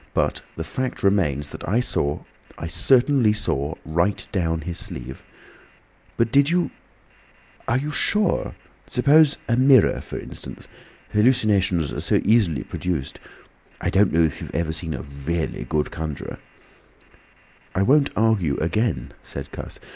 But the fact remains that I saw—I certainly saw right down his sleeve—" "But did you—are you sure? Suppose a mirror, for instance— hallucinations are so easily produced. I don't know if you have ever seen a really good conjuror—" "I won't argue again," said Cuss.